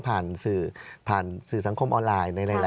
ผ่านสื่อสังคมออนไลน์